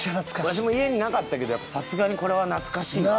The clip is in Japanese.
わしも家になかったけどさすがにこれは懐かしいな。